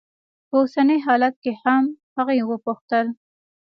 په اوسني حالت کې هم؟ هغې وپوښتل.